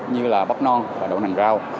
như là bắp non và đậu nành rau